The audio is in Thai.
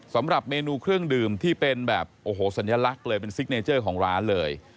สำหรับเมนูเครื่องดื่มที่เป็นแบบโอ้โหสัญลักษณ์เลยเป็นซิกเนเจอร์ของร้านเลย